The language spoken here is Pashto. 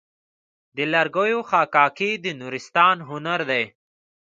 د لرګیو حکاکي د نورستان هنر دی.